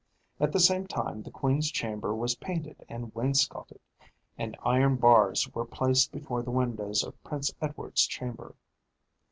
At the same time the queen's chamber was painted and wainscoted, and iron bars were placed before the windows of Prince Edward's chamber.